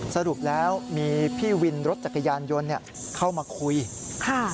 สรุปแล้วมีพี่วินรถจักรยานยนต์เนี่ยเข้ามาคุยค่ะ